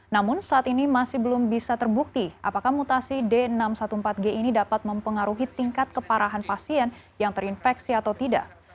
namun saat ini masih belum bisa terbukti apakah mutasi d enam ratus empat belas g ini dapat mempengaruhi tingkat keparahan pasien yang terinfeksi atau tidak